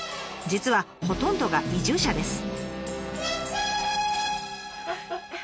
実はほとんどが移住者です。